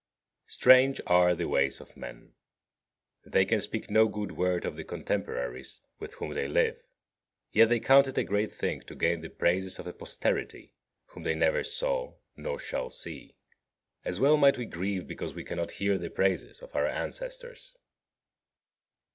18. Strange are the ways of men! They can speak no good word of the contemporaries with whom they live; yet they count it a great thing to gain the praises of a posterity whom they never saw nor shall see. As well might we grieve because we cannot hear the praises of our ancestors.